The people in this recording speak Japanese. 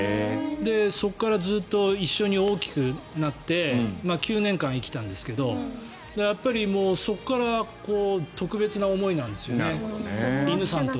そこからずっと一緒に大きくなって９年間生きたんですけどそこから特別な思いなんですよね。